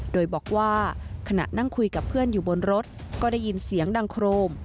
โดยบอกว่าขณะนั่งคุยกับเพื่อนอยู่บนรถก็ได้ยินเสียงดังโครม